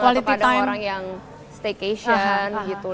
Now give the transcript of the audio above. kepada orang yang staycation gitu